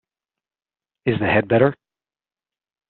Is the head better?